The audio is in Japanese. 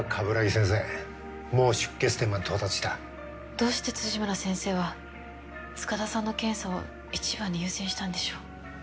どうして辻村先生は塚田さんの検査を一番に優先したんでしょう？